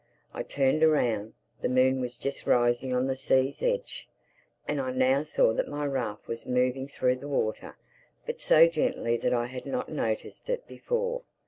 I turned around. The moon was just rising on the sea's edge. And I now saw that my raft was moving through the water, but so gently that I had not noticed it before.